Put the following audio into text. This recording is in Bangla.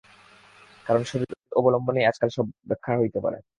কারণ শরীর-অবলম্বনেই আজকাল সব ব্যাখ্যা হইতে পারে।